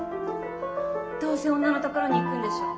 どうせ女のところに行くんでしょ。